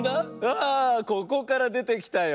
あここからでてきたよ。